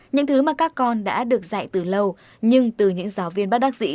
những thứ mà các con đã được dạy từ lâu nhưng từ những giáo viên bác đắc dĩ